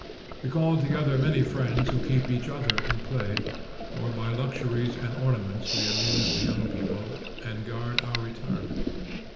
We call together many friends who keep each other in play, or by luxuries and ornaments we amuse the young people, and guard our retirement.